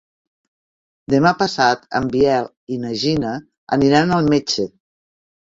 Demà passat en Biel i na Gina aniran al metge.